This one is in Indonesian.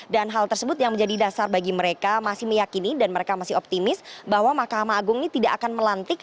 dan hal tersebut yang menjadi dasar bagi mereka masih meyakini dan mereka masih optimis bahwa mahkamah agung ini tidak akan melantik